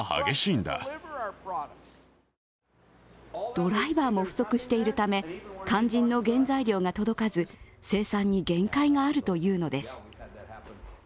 ドライバーも不足しているため、肝心の原材料が届かず生産に限界があるというのです。